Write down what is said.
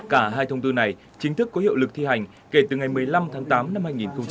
cả hai thông tư này chính thức có hiệu lực thi hành kể từ ngày một mươi năm tháng tám năm hai nghìn hai mươi